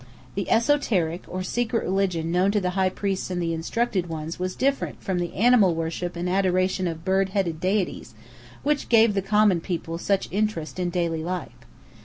The esoteric or secret religion known to the high priests and the instructed ones was different from the animal worship and adoration of bird headed deities, which gave the common people such interest in daily life.